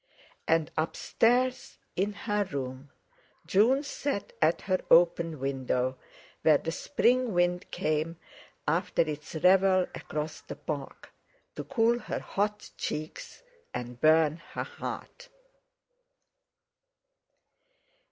And upstairs in her room June sat at her open window, where the spring wind came, after its revel across the Park, to cool her hot cheeks and burn her heart.